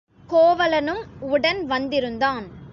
கோவலனும் உடன் வந்திருந்தான்.